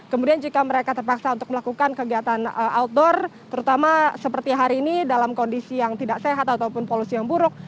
kemudian jika mereka terpaksa untuk melakukan kegiatan outdoor terutama seperti hari ini dalam kondisi yang tidak sehat ataupun polusi yang buruk